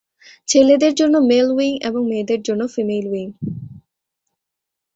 ছেলেদের জন্য male wing এবং মেয়েদের জন্য ফিমেল উইং।